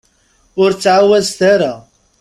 Ur ttɛawazet ara.